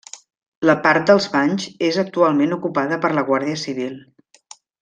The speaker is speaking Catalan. La part dels banys és actualment ocupada per la Guàrdia Civil.